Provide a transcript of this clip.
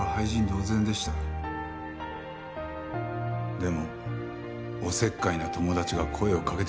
でもおせっかいな友達が声をかけてくれたんです。